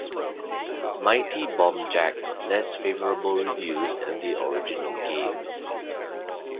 "Mighty Bomb Jack" got less favorable reviews than the original game.